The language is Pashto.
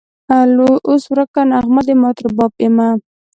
اوس ورکه نغمه د مات رباب یمه